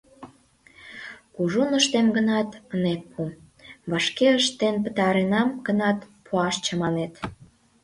Кужун ыштем гынат, ынет пу, вашке ыштен пытаренам гынат, пуаш чаманет.